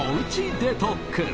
デトックス